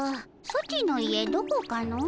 ソチの家どこかの？